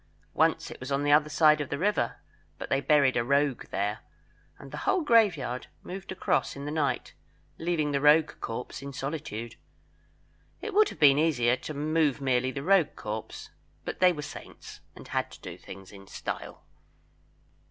Once it was on the other side of the river, but they buried a rogue there, and the whole graveyard moved across in the night, leaving the rogue corpse in solitude. It would have been easier to move merely the rogue corpse, but they were saints, and had to do things in style.